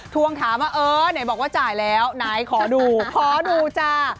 ทวงถามว่าเออไหนบอกว่าจ่ายแล้วไหนขอดูขอดูจ้า